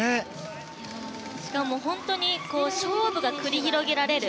しかも、本当に勝負が繰り広げられる。